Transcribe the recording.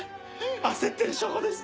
焦ってる証拠です。